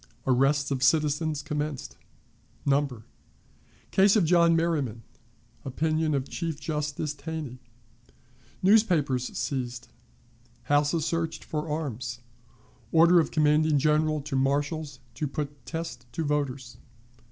Arrests of Citizens commenced. Number. Case of John Merryman. Opinion of Chief Justice Taney. Newspapers seized. Houses searched for Arms. Order of Commanding General to Marshals to put Test to Voters.